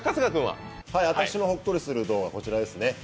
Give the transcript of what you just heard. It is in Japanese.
私のほっこりする動画こちらです。